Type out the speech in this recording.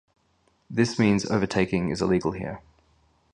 This means overtaking is illegal here.